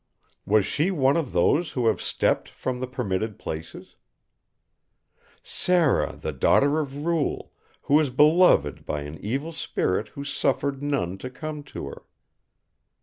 Was she one of those who have stepped from the permitted places? "Sara the daughter of Ruel who was beloved by an evil spirit who suffered none to come to her."